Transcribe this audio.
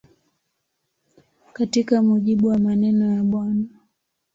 Katika mujibu wa maneno ya Bw.